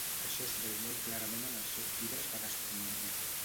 Això es veu molt clarament en els seus llibres de gastronomia.